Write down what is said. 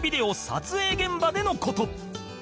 撮影現場での事